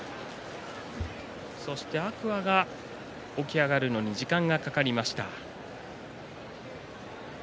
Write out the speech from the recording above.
天空海が起き上がるのに時間がかかりました。